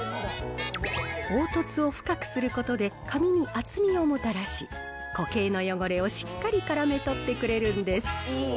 凹凸を深くすることで紙に厚みをもたらし、固形の汚れをしっかり絡め取ってくれるんです。